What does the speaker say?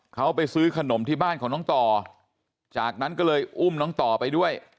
เขาไปซื้อขนมที่บ้านของน้องต่อจากนั้นก็เลยอุ้มน้องต่อไปด้วย